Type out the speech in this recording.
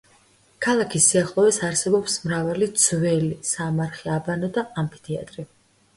ქალაქის სიახლოვეს არსებობს მრავალი ძველი, სამარხი, აბანო და ამფითეატრი.